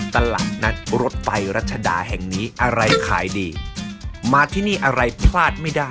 ตลาดนัดรถไฟรัชดาแห่งนี้อะไรขายดีมาที่นี่อะไรพลาดไม่ได้